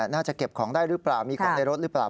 น่าจะเก็บของได้หรือเปล่ามีคนในรถหรือเปล่า